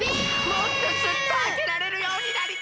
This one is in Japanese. もっとすっとあけられるようになりたい！